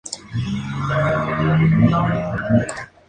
Comprende dos especies originarias de Nueva Caledonia.